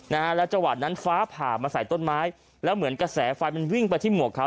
นะฮะแล้วจังหวะนั้นฟ้าผ่ามาใส่ต้นไม้แล้วเหมือนกระแสไฟมันวิ่งไปที่หมวกเขา